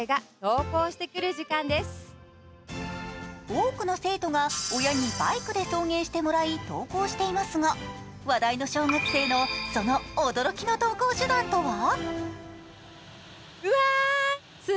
多くの生徒が親にバイクで送迎してもらい登校していますが話題の小学生のその驚きの登校手段とは？